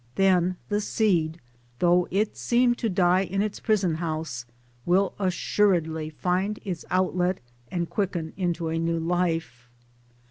Then the seed, though it seem to die in its prison house, will assuredly find its outlet and quicken into a new life.